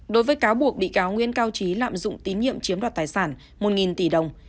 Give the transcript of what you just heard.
đối với cáo buộc bị cáo nguyễn cao trí lạm dụng tín nhiệm chiếm đoạt tài sản một tỷ đồng